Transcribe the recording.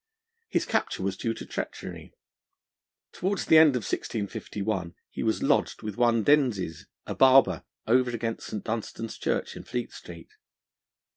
His capture was due to treachery. Towards the end of 1651 he was lodged with one Denzys, a barber, over against St. Dunstan's Church in Fleet Street.